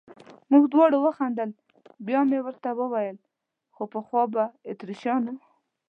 موږ دواړو وخندل، بیا مې ورته وویل: خو پخوا به اتریشیانو.